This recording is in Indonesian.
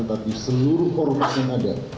tetapi seluruh ormas yang ada